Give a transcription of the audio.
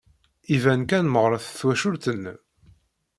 Iban kan meɣɣret twacult-nnem.